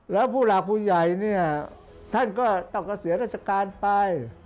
แล้วผู้หลักผู้ใหญ่เนี่ยท่านก็ต้องเกษียณราชการไป